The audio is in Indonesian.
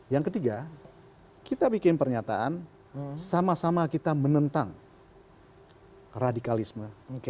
yang ketiga kita bikin pernyataan sama sama kita menentang radikalisme